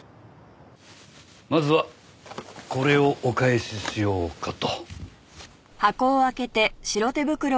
まずはこれをお返ししようかと。